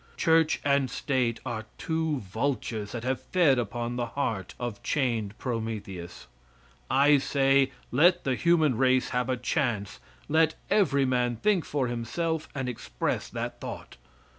Church and State are two vultures that have fed upon the heart of chained Prometheus. I say, let the human race have a chance let every man think for himself and express that thought.